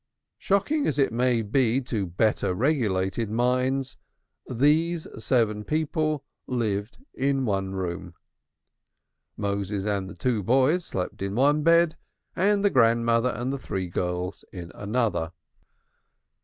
Shocking as it may be to better regulated minds, these seven people lived in one room. Moses and the two boys slept in one bed and the grandmother and the three girls in another.